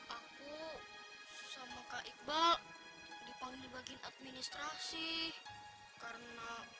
aku sama kak iqbal dipanggil bagian administrasi karena belum mahir spp kak